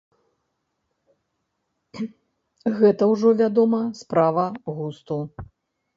Гэта ўжо, вядома, справа густу.